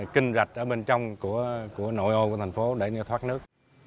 kinh rạch ở bên trong của nội ô của thành phố để thoát nước